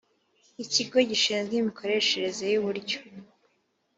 ikigo gishinzwe imikoreshereze y uburyo